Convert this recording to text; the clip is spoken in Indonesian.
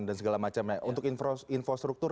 dan segala macamnya untuk infrastruktur